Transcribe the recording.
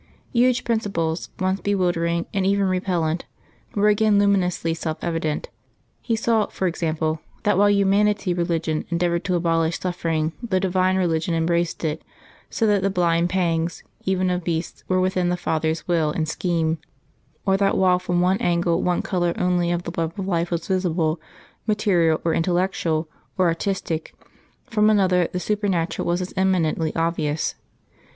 Huge principles, once bewildering and even repellent, were again luminously self evident; he saw, for example, that while Humanity Religion endeavoured to abolish suffering the Divine Religion embraced it, so that the blind pangs even of beasts were within the Father's Will and Scheme; or that while from one angle one colour only of the web of life was visible material, or intellectual, or artistic from another the Supernatural was as eminently obvious.